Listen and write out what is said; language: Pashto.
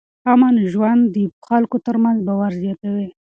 امن ژوند د خلکو ترمنځ باور زیاتوي.